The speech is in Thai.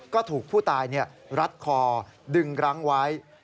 ก็ถูกผู้ตายรัดคอดึงรั้งไว้